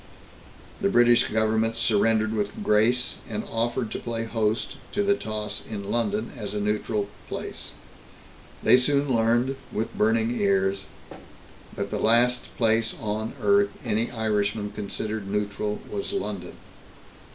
The British Government surrendered with grace, and offered to play host to the toss in London, as a neutral place. They soon learned, with burning ears, that the last place on earth any Irishman considered neutral was London.